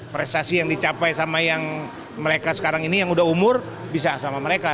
prestasi yang dicapai sama yang mereka sekarang ini yang udah umur bisa sama mereka